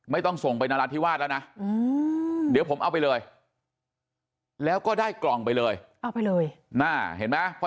ไม่ต้องส่งไปรัฐทิวาสแล้วนะ